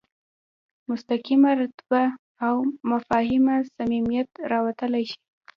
مستقیمه رابطه او مفاهمه صمیمیت راوستلی شي.